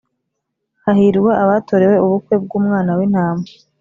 Hahirwa abatorewe ubukwe bw’Umwana w’Intama.